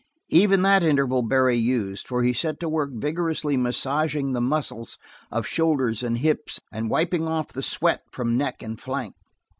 Even that interval Barry used, for he set to work vigorously massaging the muscles of shoulders and hips and whipping off the sweat from neck and flank.